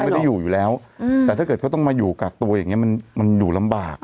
ไม่ได้อยู่อยู่แล้วแต่ถ้าเกิดเขาต้องมาอยู่กักตัวอย่างเงี้มันมันอยู่ลำบาก